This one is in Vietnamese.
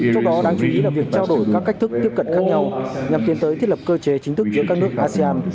trong đó đáng chú ý là việc trao đổi các cách thức tiếp cận khác nhau nhằm tiến tới thiết lập cơ chế chính thức giữa các nước asean